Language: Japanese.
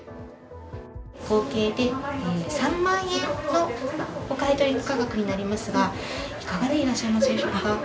合計で３万円のお買い取り価格になりますがいかがでいらっしゃいますでしょうか。